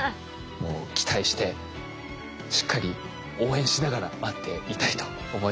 もう期待してしっかり応援しながら待っていたいと思います。